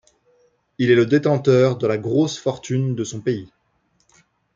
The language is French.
Il est le détenteur de la grosse fortune de son pays.